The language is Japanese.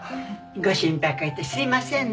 ご心配かけてすみませんね。